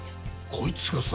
こいつがさ。